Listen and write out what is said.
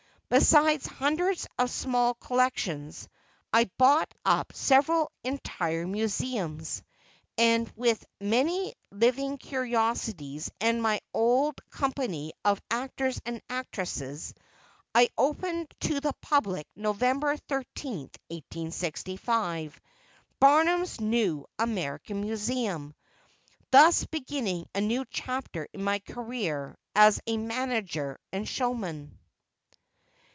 Besides hundreds of small collections, I bought up several entire museums, and with many living curiosities and my old company of actors and actresses, I opened to the public, November 13, 1865, "Barnum's New American Museum," thus beginning a new chapter in my career as a manager and showman.